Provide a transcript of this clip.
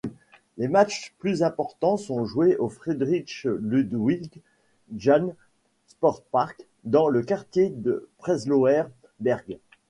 Les matchs plus importants sont joués au Friedrich-Ludwig-Jahn-Sportpark, dans le quartier de Prenzlauer Berg.